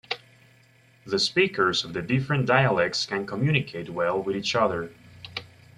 The speakers of the different dialects can communicate well with each other.